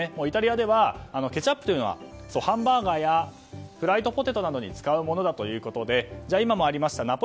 イタリアではケチャップはハンバーガーやフライドポテトなどに使うものだということで今もありました